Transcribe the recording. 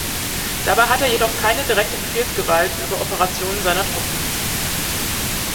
Dabei hat er jedoch keine direkte Befehlsgewalt über Operationen seiner Truppen.